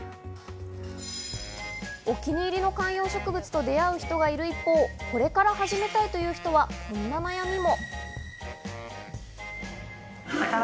お気に入りの観葉植物と出会う人がいる一方、これから始めたいという人はこんな悩みも。